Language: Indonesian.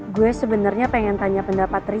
gue sebenernya pengen tanya pendapat rizky